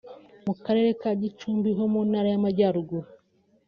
mu Karere ka Gicumbi ho mu Ntara y’Amajyaruguru